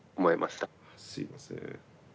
すいません。